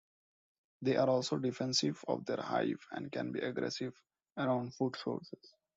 They are also defensive of their hive and can be aggressive around food sources.